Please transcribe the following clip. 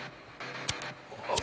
あっ！